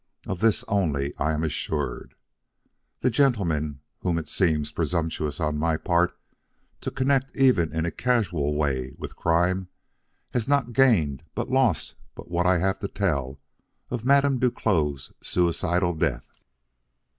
Of this only I am assured. The gentleman whom it seems presumptuous on my part to connect even in a casual way with crime has not gained but lost by what I have to tell of Madame Duclos' suicidal death.